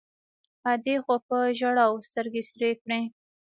ادې خو په ژړاوو سترګې سرې کړې.